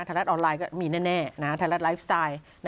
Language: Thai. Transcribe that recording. รัฐออนไลน์ก็มีแน่ไทยรัฐไลฟ์สไตล์